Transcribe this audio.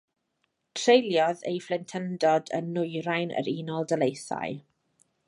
Treuliodd ei phlentyndod yn nwyrain yr Unol Daleithiau.